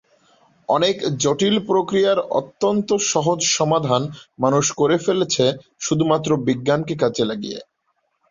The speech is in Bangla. অনেক জটিল প্রক্রিয়ার অত্যন্ত সহজ সমাধান মানুষ করে ফেলছে শুধুমাত্র বিজ্ঞানকে কাজে লাগিয়ে।